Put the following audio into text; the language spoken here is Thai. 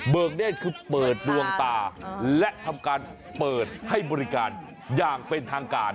เนธคือเปิดดวงตาและทำการเปิดให้บริการอย่างเป็นทางการ